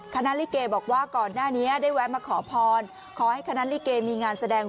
คณะลิเกบอกว่าก่อนหน้านี้ได้แวะมาขอพรขอให้คณะลิเกมีงานแสดง